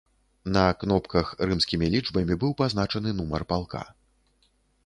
На кнопках рымскімі лічбамі быў пазначаны нумар палка.